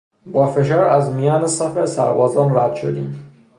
با فشار از میان صف سربازان رد شدیم.